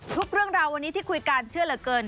เรื่องราววันนี้ที่คุยกันเชื่อเหลือเกิน